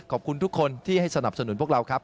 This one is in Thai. ขอบคุณทุกคนที่ให้สนับสนุนพวกเราครับ